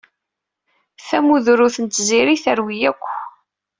Tamudrut n Tiziri terwi akk.